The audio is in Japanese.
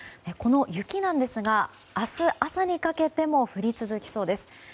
この雪ですが、明日朝にかけても降り続きそうです。